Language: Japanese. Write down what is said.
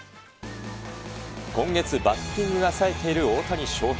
今月、バッティングがさえている大谷翔平。